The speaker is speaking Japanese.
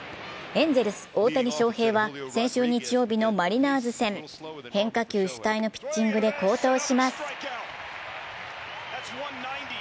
エンゼルス・大谷翔平は先週日曜日のマリナーズ戦、変化球主体のピッチングで好投します。